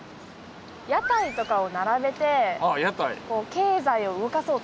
屋台とかを並べて経済を動かそうとした。